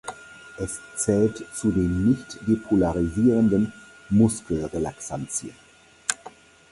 Es zählt zu den nicht-depolarisierenden Muskelrelaxantien.